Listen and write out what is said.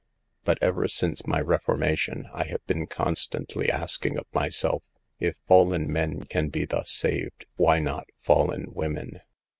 But ever since my reformation I have been constantly asking of myself: "If fallen men can be thus saved, why not fallen women